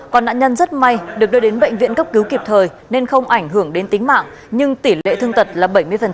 còn nạn nhân rất may được đưa đến bệnh viện cấp cứu kịp thời nên không ảnh hưởng đến tính mạng nhưng tỷ lệ thương tật là bảy mươi